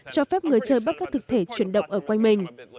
cho phép người chơi bắt các thực thể chuyển động ở quanh mình